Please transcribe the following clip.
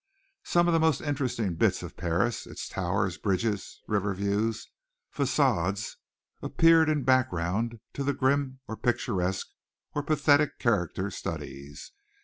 Some of the most interesting bits of Paris, its towers, bridges, river views, façades, appeared in backgrounds to the grim or picturesque or pathetic character studies.